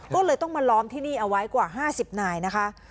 ก็เลยต้องมาล้อมที่นี่เอาไว้กว่า๕๐นายนะคะ